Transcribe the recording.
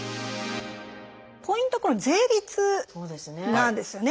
ポイントはこの税率なんですよね。